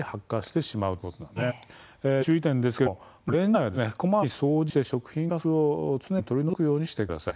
注意点ですけれども、レンジ内はこまめに掃除して、食品カスを常に取り除くようにしてください。